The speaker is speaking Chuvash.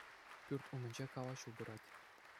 Пӳрт ӳмӗнче калаҫу пырать.